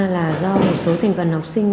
là do một số thành phần học sinh